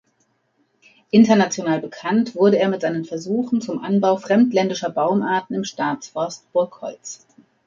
International bekannt wurde er mit seinen Versuchen zum Anbau fremdländischer Baumarten im Staatsforst Burgholz.